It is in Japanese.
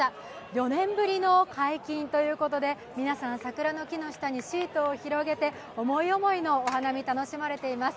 ４年ぶりの解禁ということで、皆さん桜の木の下にシートを広げて思い思いのお花見楽しまれています。